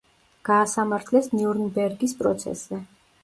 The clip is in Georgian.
გაასამართლეს ნიურნბერგის პროცესზე.